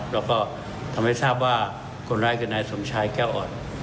แล้วก็ทำให้ทราบว่าคนร้ายคือนายสมชายแก้วอ่อน